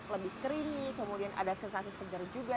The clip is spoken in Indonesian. lebih creamy kemudian ada sensasi segar juga